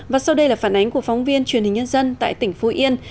và sau đây là phản ánh của phóng viên truyền hình nhân dân tại tỉnh phú yên